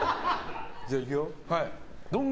じゃあいくよ。